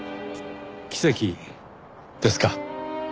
奇跡ですか。